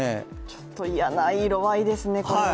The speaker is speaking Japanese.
ちょっと嫌な色合いですね、これは。